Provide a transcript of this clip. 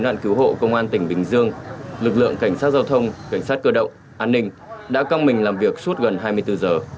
đoàn cứu hộ công an tỉnh bình dương lực lượng cảnh sát giao thông cảnh sát cơ động an ninh đã căng mình làm việc suốt gần hai mươi bốn giờ